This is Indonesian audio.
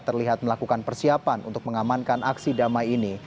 terlihat melakukan persiapan untuk mengamankan aksi damai ini